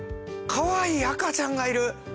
かわいい赤ちゃんがいる。